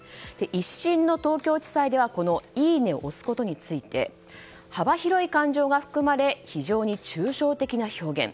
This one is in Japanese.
１審の東京地裁ではこのいいねを押すことについて幅広い感情が含まれ非常に抽象的な表現。